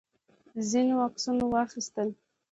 ځینو عکسونه واخیستل.